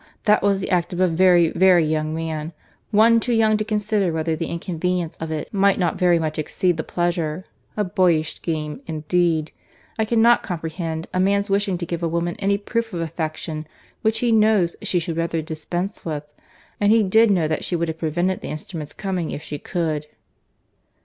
That was the act of a very, very young man, one too young to consider whether the inconvenience of it might not very much exceed the pleasure. A boyish scheme, indeed!—I cannot comprehend a man's wishing to give a woman any proof of affection which he knows she would rather dispense with; and he did know that she would have prevented the instrument's coming if she could."